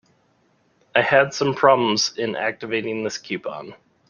I had some problems in activating this coupon.